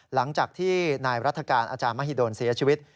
หลังจากที่นายรัฐกาลอาจารย์มหิดลเสียชีวิต